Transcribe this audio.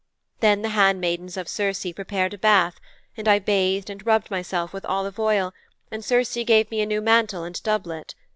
Then the handmaidens of Circe prepared a bath, and I bathed and rubbed myself with olive oil, and Circe gave me a new mantle and doublet.